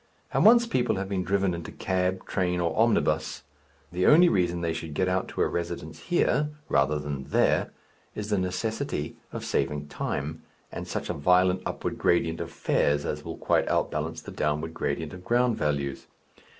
And once people have been driven into cab, train, or omnibus, the only reason why they should get out to a residence here rather than there is the necessity of saving time, and such a violent upward gradient of fares as will quite outbalance the downward gradient of ground values.